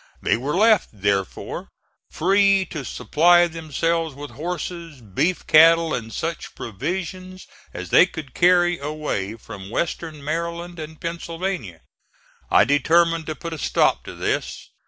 They were left, therefore, free to supply themselves with horses, beef cattle, and such provisions as they could carry away from Western Maryland and Pennsylvania. I determined to put a stop to this.